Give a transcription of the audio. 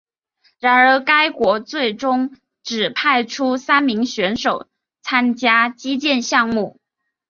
然而该国最终只派出三名选手参加击剑项目。